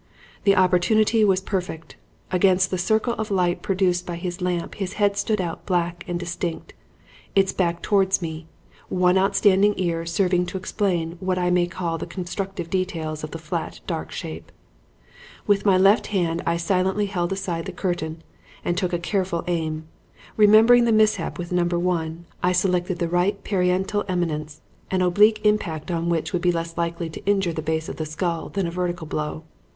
"The opportunity was perfect. Against the circle of light produced by his lamp his head stood out black and distinct, its back towards me, one outstanding ear serving to explain what I may call the constructive details of the flat, dark shape. "With my left hand I silently held aside the curtain and took a careful aim. Remembering the mishap with Number One, I selected the right parietal eminence, an oblique impact on which would be less likely to injure the base of the skull than a vertical blow.